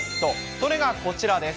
それがこちらです。